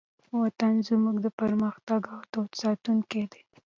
وطن زموږ د فرهنګ او دود ساتونکی دی.